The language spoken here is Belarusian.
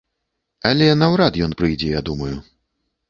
Але наўрад ён прыйдзе, я думаю.